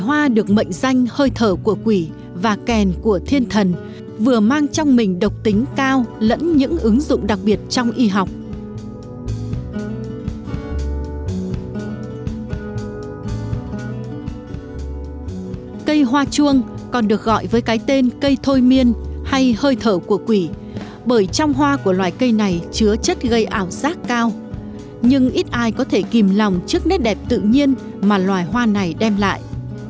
hoa chuông xanh mọc dài rác ở các thị trấn và thành phố châu âu nhưng được tìm thấy nhiều nhất trong các cánh rừng cổ đại